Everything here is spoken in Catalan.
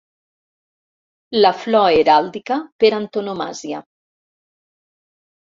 La flor heràldica per antonomàsia.